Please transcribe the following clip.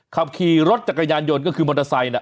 ขับขี่รถจักรยานยนต์ก็คือมอเตอร์ไซค์น่ะ